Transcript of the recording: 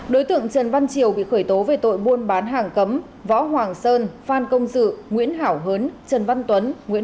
đối tượng trần văn triều bị khởi tố về tội buôn bán hàng cấm võ hoàng sơn phan công dự nguyễn hảo hớn trần văn tuấn